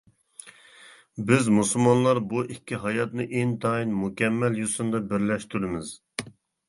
بىز مۇسۇلمانلار بۇ ئىككى ھاياتنى ئىنتايىن مۇكەممەل يوسۇندا بىرلەشتۈرىمىز.